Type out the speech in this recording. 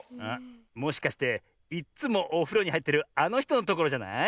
もしかしていっつもおふろにはいってるあのひとのところじゃない？